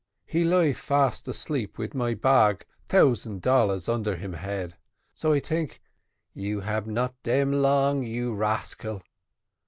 He lie fast asleep with my bag thousand dollars under him head. So I tink, `you not hab dem long, you rascal.'